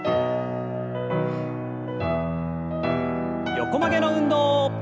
横曲げの運動。